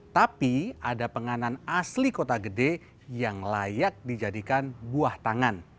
tapi ada penganan asli kota gede yang layak dijadikan buah tangan